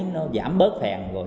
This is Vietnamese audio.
nó giảm bớt phèn rồi